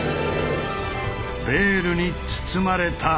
ベールに包まれた。